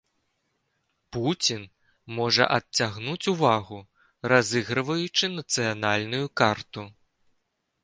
Пуцін можа адцягнуць увагу, разыгрываючы нацыянальную карту.